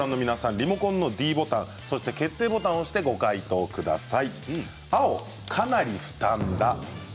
リモコンのｄボタンそして決定ボタンを押してご回答ください。